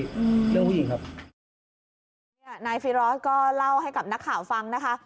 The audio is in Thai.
นายฟิรอสก็เล่าให้กับนักข่าวฟังนะคะ